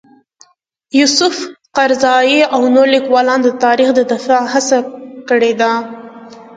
یوسف قرضاوي او نور لیکوالان د تاریخ د دفاع هڅه کړې ده.